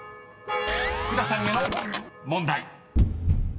［福田さんへの問題］